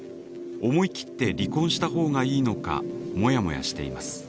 思い切って離婚したほうがいいのかモヤモヤしています。